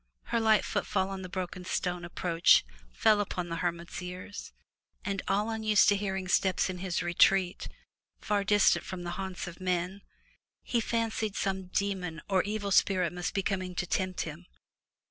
Her light footfall on the broken stone approach fell upon the hermit's ears, and, all unused to hearing steps in his retreat, far distant from the haunts of men, he fancied some demon or evil spirit must be coming to tempt him.